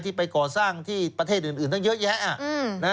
ไปก่อสร้างที่ประเทศอื่นตั้งเยอะแยะ